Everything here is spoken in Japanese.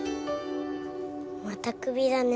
またクビだね